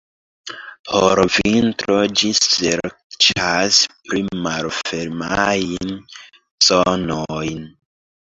Por vintro ĝi serĉas pli malfermajn zonojn.